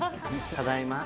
ただいま。